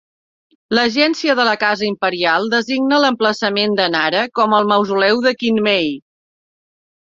L'Agència de la Casa Imperial designa l'emplaçament de Nara como el mausoleu de Kinmei.